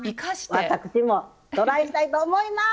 私もトライしたいと思います。